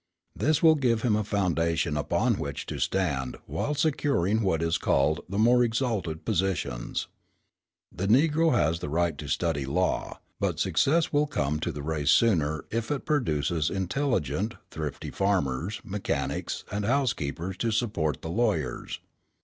This will give him a foundation upon which to stand while securing what is called the more exalted positions. The Negro has the right to study law; but success will come to the race sooner if it produces intelligent, thrifty farmers, mechanics, and housekeepers to support the lawyers.